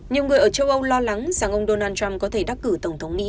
nhiều người ở châu âu lo lắng rằng ông donald trump có thể đắc cử tổng thống mỹ